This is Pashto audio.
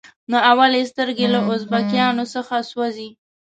نو اول یې سترګې له اربکیانو څخه سوځي.